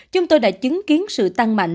chúng tôi đã chứng kiến sự tăng mạnh